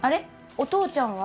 お父ちゃんは？